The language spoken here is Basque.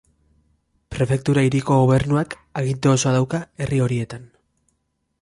Prefektura hiriko gobernuak aginte osoa dauka herri horietan.